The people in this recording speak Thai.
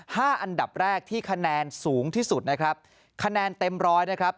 อันดับแรกที่คะแนนสูงที่สุดนะครับคะแนนเต็มร้อยนะครับ